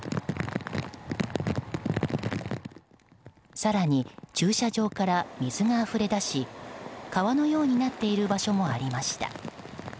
更に、駐車場から水があふれ出し川のようになっている場所もありました。